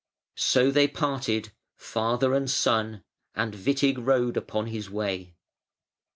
So they parted, father and son, and Witig rode upon his way.